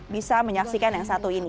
bisa menyaksikan yang satu ini